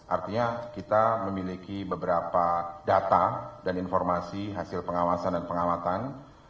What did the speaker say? artinya kita memiliki beberapa data dan informasi hasil pengawasan dan pengamatan